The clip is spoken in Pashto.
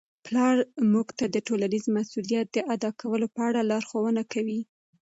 پلار موږ ته د ټولنیز مسؤلیت د ادا کولو په اړه لارښوونه کوي.